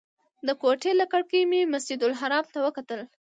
د کوټې له کړکۍ مې مسجدالحرام ته وکتل.